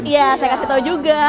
ya saya kasih tahu juga